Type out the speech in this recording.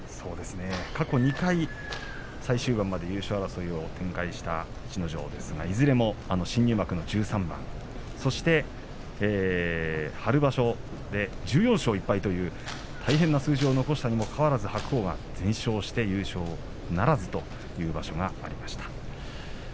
過去２回最終盤まで優勝争いを展開した逸ノ城ですがいずれも新入幕の１３番、そして春場所で１４勝１敗という大変な数字を残したにもかかわらず白鵬が全勝して逸ノ城は優勝ならずという場所がありました。